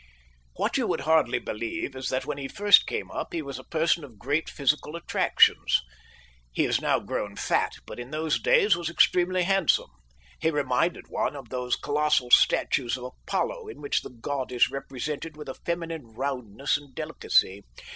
What you would hardly believe is that, when he first came up, he was a person of great physical attractions. He is now grown fat, but in those days was extremely handsome. He reminded one of those colossal statues of Apollo in which the god is represented with a feminine roundness and delicacy.